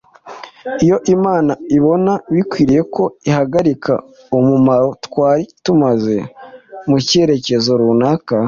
Iyo Imana ibona bikwiye ko ihagarika umumaro twari tumaze mu cyerekezo runaka,